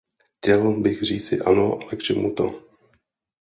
Chtěl bych říci ano, ale k čemu to?